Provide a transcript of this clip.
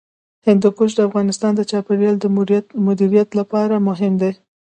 هندوکش د افغانستان د چاپیریال د مدیریت لپاره مهم دي.